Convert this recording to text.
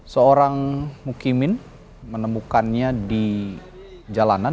seorang mukimin menemukannya di jalanan